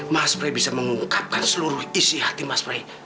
mas frey bisa mengungkapkan seluruh isi hati mas pray